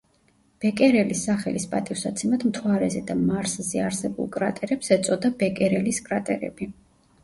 ბეკერელის სახელის პატივსაცემად მთვარეზე და მარსზე არსებულ კრატერებს ეწოდა ბეკერელის კრატერები.